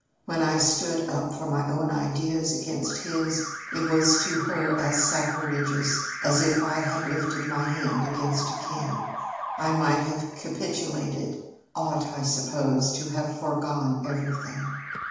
When I stood up for my own ideas against his, it was to her as sacrilegious as if I had lifted my hand against a king. I might have capitulated ought, I suppose, to have foregone everything!